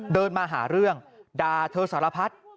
เดินมาหาเรื่องด่าเธอสารพัด